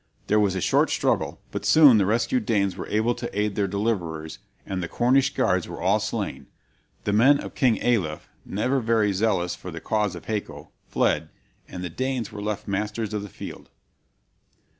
There was a short struggle, but soon the rescued Danes were able to aid their deliverers, and the Cornish guards were all slain; the men of King Alef, never very zealous for the cause of Haco, fled, and the Danes were left masters of the field.